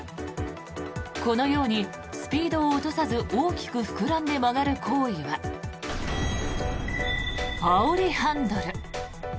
このようにスピードを落とさず大きく膨らんで曲がる行為はあおりハンドル。